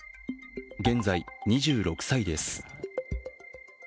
現在２６歳です。